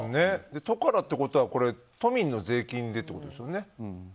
都からってことは都民の税金でってことですよね。